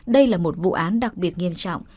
đây là một vụ án đặc biệt nghiêm trọng